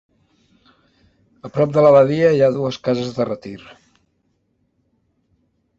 A prop de l'abadia hi ha dues cases de retir.